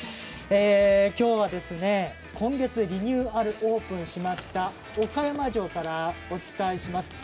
今日は今月リニューアルオープンしました岡山城からお伝えします。